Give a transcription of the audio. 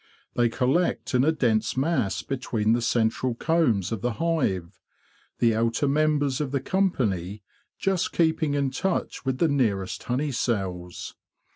They collect in a dense mass between the central combs of the hive, the outer members of the company just keep ing in touch with the nearest honey cells.